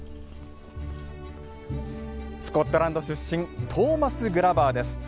スコットランド出身トーマス・グラバーです。